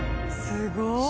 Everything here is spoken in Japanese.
すごい！